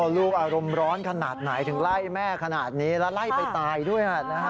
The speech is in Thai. ลูกอารมณ์ร้อนขนาดไหนถึงไล่แม่ขนาดนี้แล้วไล่ไปตายด้วย